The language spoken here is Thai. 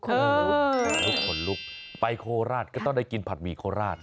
ขนลุกขนลุกไปโคลาศก็ต้องได้กินผัดหมี่โคลาศ